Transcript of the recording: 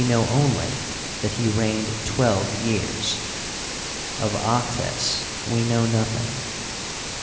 know only that he reigned twelve years. Of Ahtes we know nothing.